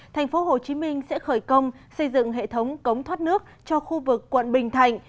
tp hcm sẽ khởi công xây dựng hệ thống cống thoát nước cho khu vực quận bình thạnh